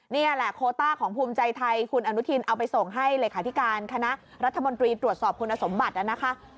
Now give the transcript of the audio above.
นี่แหละโคต้าของภูมิใจไทยคุณอนุทินเอาไปส่งให้เลขาธิการคณะรัฐมนตรีตรวจสอบคุณสมบัตินะคะ